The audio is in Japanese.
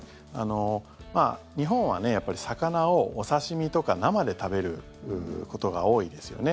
日本は魚を、お刺し身とか生で食べることが多いですよね。